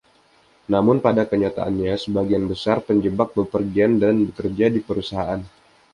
Namun pada kenyataannya, sebagian besar penjebak bepergian dan bekerja di perusahaan.